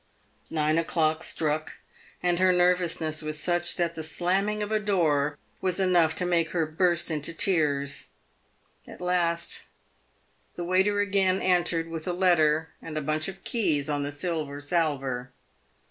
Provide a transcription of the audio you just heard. Nine o'clock struck, and her nervousness was such that the slamming of a door was enough to make her burst into tears. At last, the waiter again entered, with a letter and bunch of keys on the silver salver.